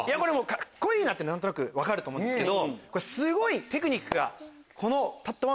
カッコいいって何となく分かると思うんですけど。